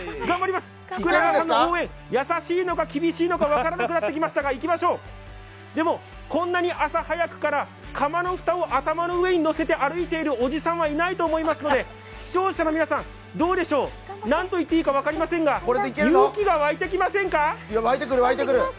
頑張ります福永さんの応援、優しいのか厳しいのか分からなくなってきましたがでもこんなに朝早くから釜の蓋を頭にのせて歩いているおじさんはいないと思いますので、視聴者の皆さん、どうでしょう、何と言っていいか分かりませんが、勇気がわいてきませんか？